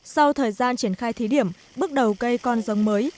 sau thời gian triển khai thí điểm bước đầu cây con giống mới